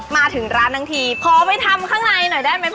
มาถึงร้านทั้งทีขอไปทำข้างในหน่อยได้ไหมพ่อ